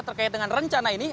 terkait dengan rencana ini